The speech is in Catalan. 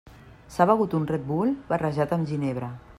S'ha begut un Red Bull barrejat amb ginebra.